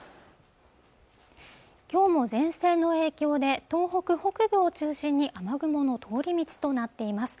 きょうも前線の影響で東北北部を中心に雨雲の通り道となっています